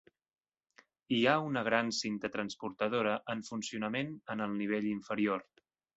Hi ha una gran cinta transportadora en funcionament en el nivell inferior.